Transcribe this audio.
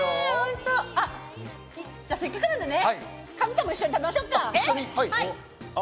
せっかくならカズさんも一緒に食べましょうか。